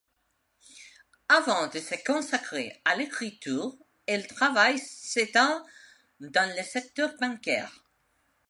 Avant de se consacrer à l’écriture, elle travaille sept ans dans le secteur bancaire.